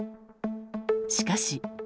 しかし。